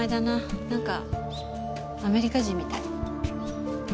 なんかアメリカ人みたい。